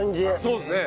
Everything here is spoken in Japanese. そうですね。